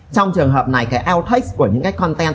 trong trường hợp này cái outtakes của những cái content